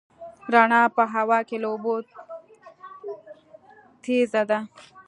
رڼا په هوا کې له اوبو تېزه ده.